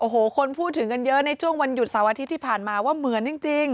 โอ้โหคนพูดถึงกันเยอะในช่วงวันหยุดเสาร์อาทิตย์ที่ผ่านมาว่าเหมือนจริง